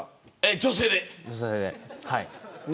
女性で。